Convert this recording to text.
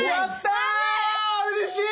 うれしい！